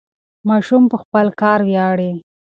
ماشوم په خپل کار ویاړي.